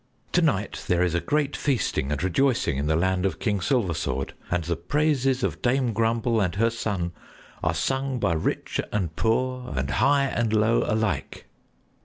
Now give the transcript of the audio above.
To night there is great feasting and rejoicing in the land of King Silversword, and the praises of Dame Grumble and her son are sung by rich and poor and high and low alike."